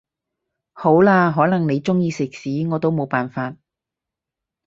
好啦，可能你鍾意食屎我都冇辦法